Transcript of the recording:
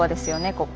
ここ。